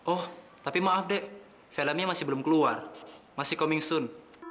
oh tapi maaf deh filmnya masih belum keluar masih coming soon